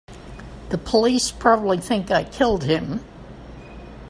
The police probably think I killed him.